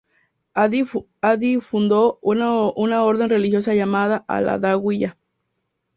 Adi fundó una orden religiosa llamada "al-Adawiya".